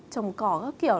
trồng cỏ các kiểu